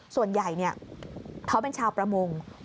ส่วนใหญ่เขาเป็นชาวประมง